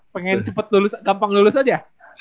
pengen cepet lulus gampang lulus aja